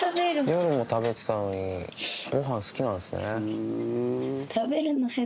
夜も食べてたのにご飯好きなんですね。